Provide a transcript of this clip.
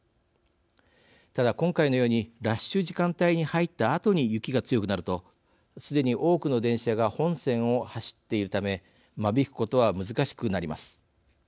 ただ今回のようにラッシュ時間帯に入ったあとに雪が強くなるとすでに多くの電車が本線を走っているため間引くことは難しくなります。